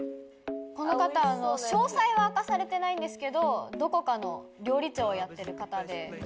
詳細は明かされてないけどどこかの料理長をやってる方で。